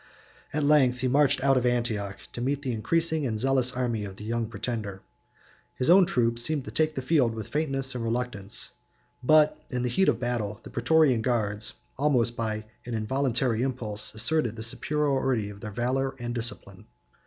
At length he marched out of Antioch, to meet the increasing and zealous army of the young pretender. His own troops seemed to take the field with faintness and reluctance; but, in the heat of the battle, 49 the Prætorian guards, almost by an involuntary impulse, asserted the superiority of their valor and discipline.